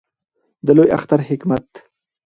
د لوی اختر حکمت